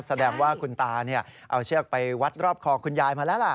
แสดงว่าคุณตาเอาเชือกไปวัดรอบคอคุณยายมาแล้วล่ะ